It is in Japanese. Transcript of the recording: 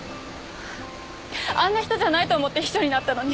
あんな人じゃないと思って秘書になったのに。